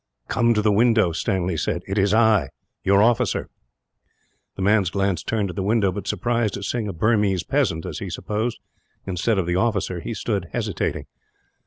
"Come to the window," Stanley said. "It is I, your officer." The man's glance turned to the window but, surprised at seeing a Burmese peasant as he supposed instead of the officer, he stood hesitating.